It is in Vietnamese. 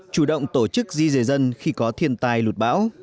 chủ động tổ chức di rời dân khi có thiên tai lụt bão